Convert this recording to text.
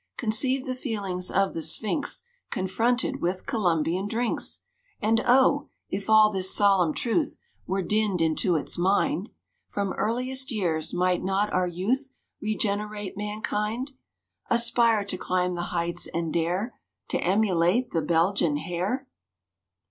Conceive the feelings of the Sphinx Confronted with Columbian drinks!= And oh! if all this solemn truth `Were dinned into its mind From earliest years, might not our youth `Regenerate mankind, Aspire to climb the Heights, and dare To emulate the Belgian hare?